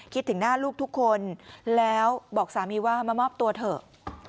ถึงหน้าลูกทุกคนแล้วบอกสามีว่ามามอบตัวเถอะ